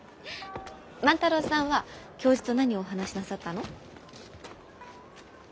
万太郎さんは教授と何をお話しなさったの？